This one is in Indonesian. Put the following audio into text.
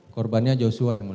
korbannya joshua yang boleh